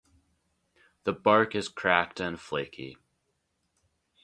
The bark is cracked and flaky.